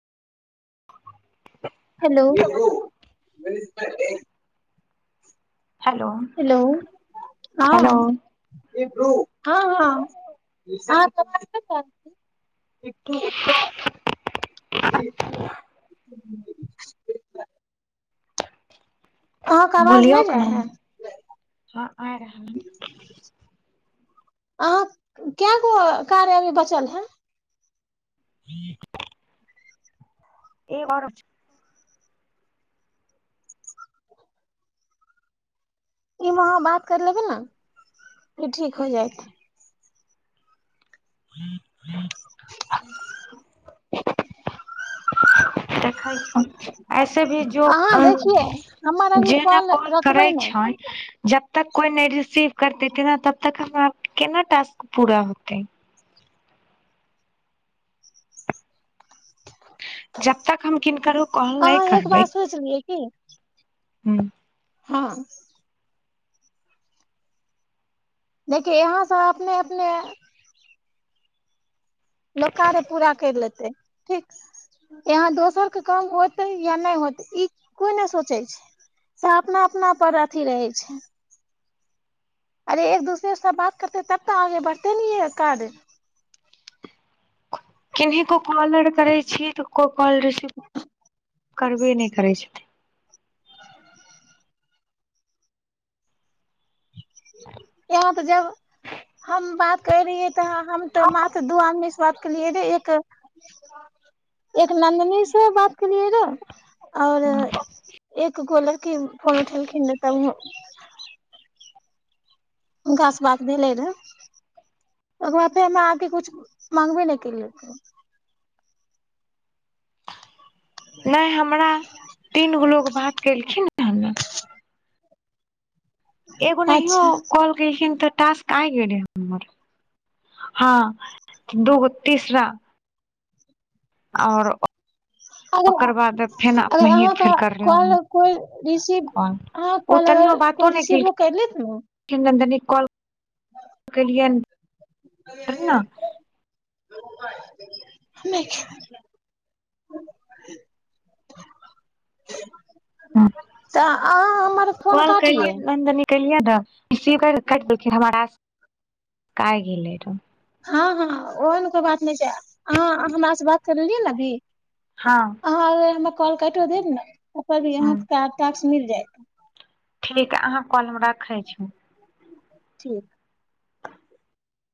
Hello hello hello hello हँ हँ हँ हँ [unintelligible] अहाँके आवाज बोलियौ नहि क जाय ने है हँ आ रहल अहाँ कै गो कार्य अभी बचल है एक एगो आरो छै ई मे अहाँ बात कर लेबै ने ठीक हो जायत [unintelligible] [inaudible] देखै छी ऐसे भी जो अहाँ देखियै हमर अभी जेना कॉल करै रखबै नहि छै ज - ब तक कोइ ने रसीव करतेे न तब तक हम केना टास्क पूरा होतेै जब तक हम किनकरो कॉल नहि करबै ी [inaudible] हूँ हँ देखिय यहाँसँ अपने अपने लोक कार्य पूरा करि लेतै ठीक यहाँ दोसरके काम होतै या नहि होतै ई कोइ नहि सोचै छै से अपना अपनापर अथी रहै छै अरे एक दूसरे साथ बात करतेै तब तऽ आगे बढ़ते न है कार। किनहीं को कॉल आर करै छी तऽ कॉल रिसीव करबे नहि करै छथिन यहाँ तऽ जब हम बात करै रहियै तऽ हम तऽ मात्र दू आमी सँ बात कलियै रह एक एक नन्दनी से बात कलियै रहे आओर एक कोई लड़की फोन उठेलखिन तब उ [inaudible] हुनकासँ बात भेलै रहए ओकर बाद फेर हमरा आके कुछ मागबे नहि केलकै नहि हमरा तीन गो लोक बात केलखिन हन न एगो नहियौ अच्छा कॉल केलखिन त टास्क आ गेल हमर हँ दू गो तीसरा आओर अगर ओकर बाद फेन अगर अपनहिये अहाँके फेर करलौं हन कॉल कोइ रिसीव कॉल अहाँके ओ कॉल तनियो अगर बातो कोइ नै रिसीवो केलखिन कैलेत ने नन्दनी कॉल केलियनि कारण न नहि तऽ आ कॉल कलियै नन्दनी केलियै रहऽ सी कट द हमार क गेलै रह [inaudible] हँ हँ ओह ने कोइ बात नहि छै अहाँ हमरा से बात करलिए न अभी हँ आ कॉल काइटो देब न यहाँ क त [inaudible] मिल जाएत ठीक अहाँ कॉल हम राखैत छी ठीक